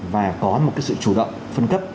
và có một sự chủ động phân cấp